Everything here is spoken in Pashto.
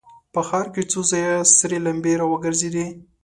په ښار کې څو ځايه سرې لمبې را وګرځېدې.